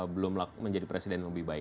belum menjadi presiden yang lebih baik